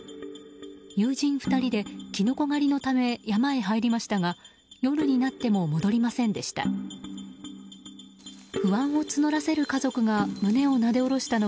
友人２人でキノコ狩りのため山へ入りましたが夜になっても戻りませんでした。